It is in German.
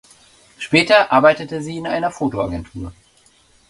Später arbeitete sie in einer Fotoagentur.